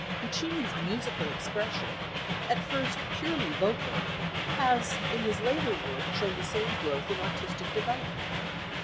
Puccini's musical expression, at first purely vocal, has in his later work shown that same growth in artistic development.